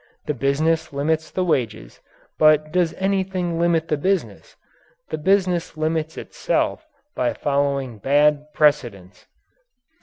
The business limits the wages, but does anything limit the business? The business limits itself by following bad precedents.